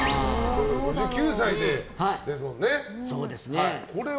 ５９歳ですもんね。